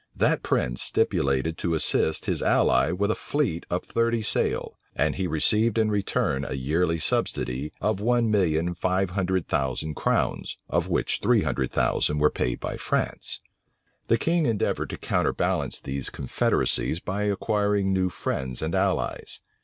That prince stipulated to assist his ally with a fleet of thirty sail; and he received in return a yearly subsidy of one million five hundred thousand crowns, of which three hundred thousand were paid by France. The king endeavored to counterbalance these confederacies by acquiring new friends and allies.